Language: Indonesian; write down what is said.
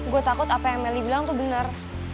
gue takut apa yang melly bilang tuh bener